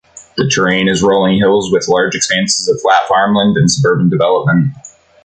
The terrain is rolling hills with large expanses of flat farmland and suburban development.